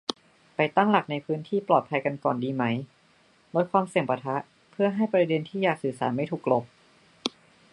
ไปตั้งหลักในพื้นที่ปลอดภัยกันก่อนดีไหม ลดความเสี่ยงปะทะ เพื่อให้ประเด็นที่อยากสื่อสารไม่ถูกกลบ